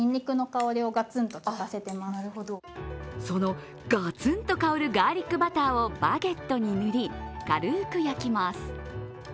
そのガツンと香るガーリックバターをバゲットに塗り軽く焼きます。